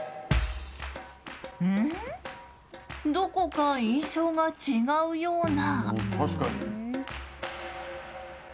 どこか印象が違うような。